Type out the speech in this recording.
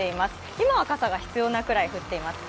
今は傘が必要なくらい降っています。